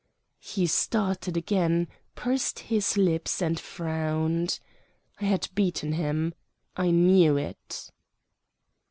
He started again, pursed his lips, and frowned. I had beaten him. I knew it.